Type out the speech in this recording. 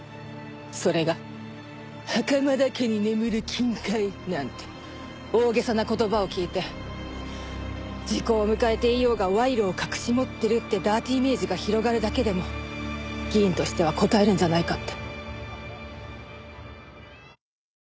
それが「袴田家に眠る金塊」なんて大げさな言葉を聞いて時効を迎えていようが賄賂を隠し持ってるってダーティーイメージが広がるだけでも議員としてはこたえるんじゃないかって。